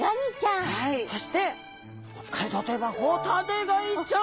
そして北海道といえばホタテガイちゃん。